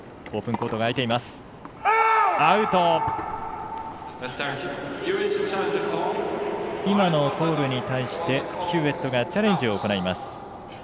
今のアウトに対してヒューウェットがチャレンジを行います。